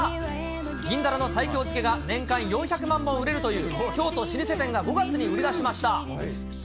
銀だらの西京漬けが年間４００万本売れるという京都老舗店が５月に売り出しました。